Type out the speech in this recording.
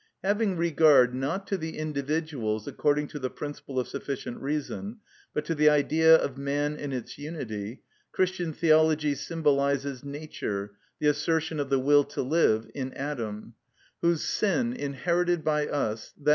Having regard, not to the individuals according to the principle of sufficient reason, but to the Idea of man in its unity, Christian theology symbolises nature, the assertion of the will to live in Adam, whose sin, inherited by us, _i.